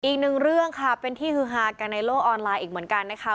อีกหนึ่งเรื่องค่ะเป็นที่ฮือฮากันในโลกออนไลน์อีกเหมือนกันนะคะ